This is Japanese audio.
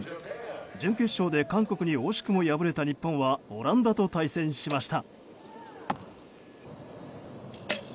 準決勝で韓国に惜しくも敗れた日本はオランダと対戦しました。